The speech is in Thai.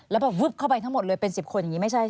แล้วแบบวึบเข้าไปทั้งหมดเลยเป็น๑๐คนอย่างนี้ไม่ใช่